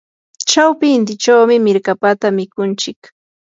chawpi intichawmi mirkapata mikunchik.